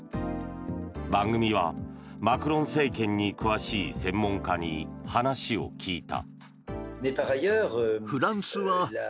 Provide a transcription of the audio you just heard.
番組は、マクロン政権に詳しい専門家に話を聞いた。